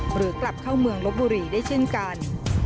หรือกลับเข้าเมืองลบบุรีได้เช่นกัน